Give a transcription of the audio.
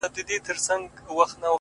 د نوم له سيتاره دى لوېدلى.!